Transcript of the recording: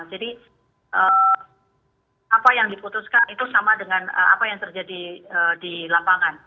jadi apa yang diputuskan itu sama dengan apa yang terjadi di lapangan